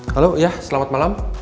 halo ya selamat malam